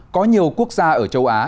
có nhiều quốc gia ở châu á